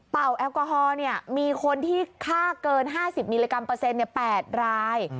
แอลกอฮอล์มีคนที่ฆ่าเกิน๕๐มิลลิกรัมเปอร์เซ็นต์๘ราย